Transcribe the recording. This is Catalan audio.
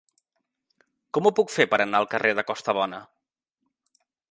Com ho puc fer per anar al carrer de Costabona?